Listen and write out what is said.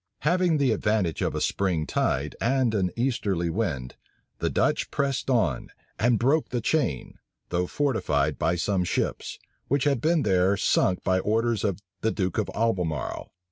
Having the advantage of a spring tide and an easterly wind, the Dutch pressed on, and broke the chain, though fortified by some ships, which had been there sunk by orders of the duke of Albemarle.